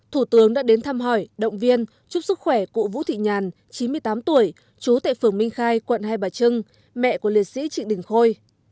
thủ tướng đã đến thăm hỏi động viên chúc sức khỏe cụ vũ thị nhàn chín mươi tám tuổi trú tại phường minh khai quận hai bà trưng mẹ của liệt sĩ trịnh đình khôi